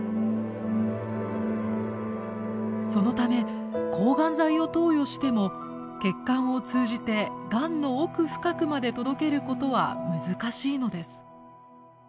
そのため抗がん剤を投与しても血管を通じてがんの奥深くまで届けることは難しいのです。